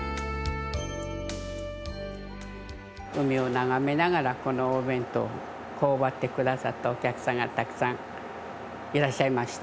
海を眺めながらこのお弁当を頬張って下さったお客さんがたくさんいらっしゃいました。